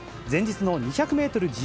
前日の２００メートル